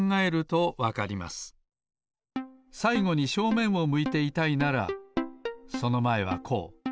さいごに正面を向いていたいならそのまえはこう。